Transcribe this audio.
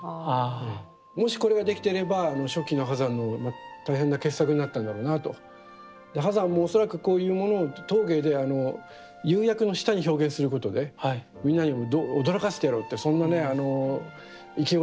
もしこれができていれば初期の波山の大変な傑作になったんだろうなと。で波山も恐らくこういうものを陶芸で釉薬の下に表現することでみんなを驚かしてやろうってそんなね意気込みもあったと思いますけれども。